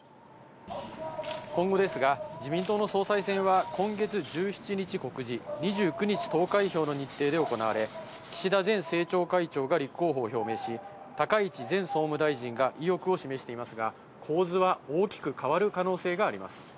今後ですが、自民党の総裁選は今月１７日告示、２９日投開票の日程で行われ、岸田前政調会長が立候補を表明し、高市前総務大臣が意欲を示していますが、構図は大きく変わる可能性があります。